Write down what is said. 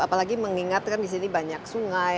apalagi mengingatkan disini banyak sungai